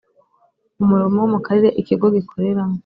umurimo wo mu Karere ikigo gikoreramo